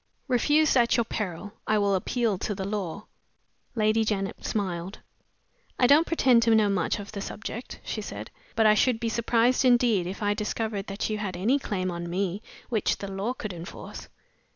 "Refuse at your peril. I will appeal to the law." Lady Janet smiled. "I don't pretend to much knowledge of the subject," she said; "but I should be surprised indeed if I discovered that you had any claim on me which the law could enforce.